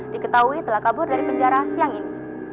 diketahui telah kabur dari penjara siang ini